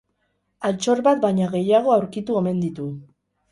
Altxor bat baino gehiago aurkitu omen ditu.